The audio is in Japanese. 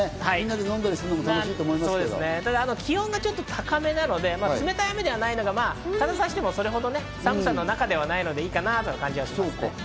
気温がちょっと高めなので、冷たい雨ではないので、傘さしても、それほど寒さの中ではないので、いいかなという感じはします。